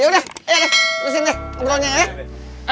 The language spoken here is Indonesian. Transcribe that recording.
yaudah ayo deh terusin deh ngobrolnya ya